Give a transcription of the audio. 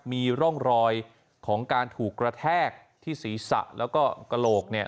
มีร่องรอยของการถูกกระแทกที่ศีรษะแล้วก็กระโหลก